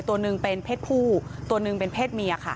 ตัวหนึ่งเป็นเพศผู้ตัวหนึ่งเป็นเพศเมียค่ะ